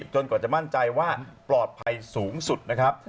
จนกว่าจะมั่นใจว่าปลอดภัยสูงสุดนะครับ